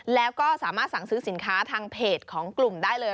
แล้วก็สามารถสั่งซื้อสินค้าทางเพจของกลุ่มได้เลย